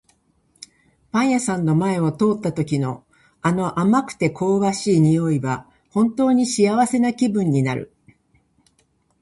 パン屋さんの前を通った時の、あの甘くて香ばしい匂いは本当に幸せな気分になる。